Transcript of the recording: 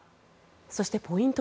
そしてポイント